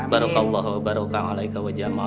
barukallah barukah alaika wajama